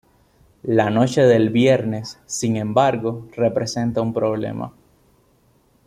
La noche del viernes, sin embargo, representa un problema.